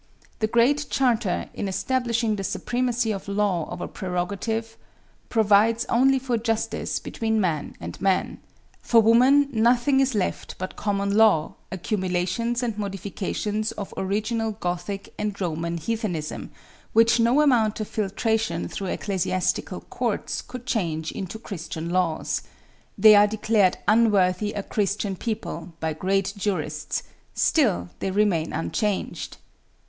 The great charter, in establishing the supremacy of law over prerogative, provides only for justice between man and man; for woman nothing is left but common law, accumulations and modifications of original Gothic and Roman heathenism, which no amount of filtration through ecclesiastical courts could change into Christian laws. They are declared unworthy a Christian people by great jurists; still they remain unchanged.'